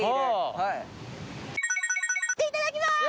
ていただきます！